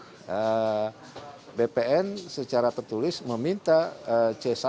karena bpn secara tertulis meminta c satu